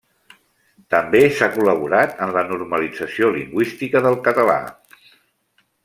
També s'ha col·laborat en la normalització lingüística del català.